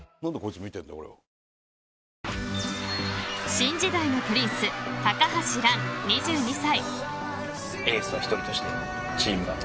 新時代のプリンス、高橋藍２２歳。